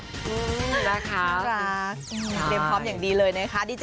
อืมรักครับรักเรียบพร้อมอย่างดีเลยนะคะ